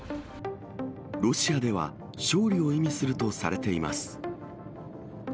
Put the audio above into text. ロシアでは、勝利を意味するとされています。